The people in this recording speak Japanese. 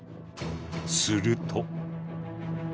すると。